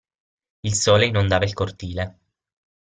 Il sole inondava il cortile.